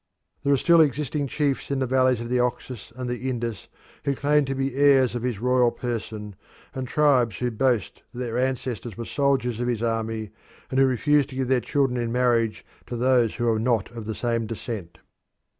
There are still existing chiefs in the valleys of the Oxus and the Indus who claim to be heirs of his royal person, and tribes who boast that their ancestors were soldiers of his army, and who refuse to give their children in marriage to those who are not of the same descent.